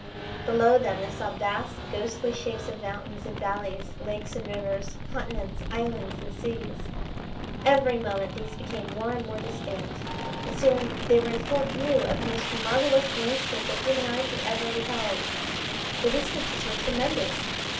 Below them they saw vast, ghostly shapes of mountains and valleys, lakes and rivers, continents, islands, and seas. Every moment these became more and more distinct, and soon they were in full view of the most marvellous landscape that human eyes had ever beheld. The distances were tremendous.